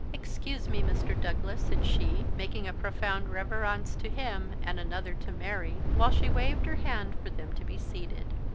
"Excuse me, Mr. Douglas," said she, making a profound reverence to him, and another to Mary, while she waved her hand for them to be seated.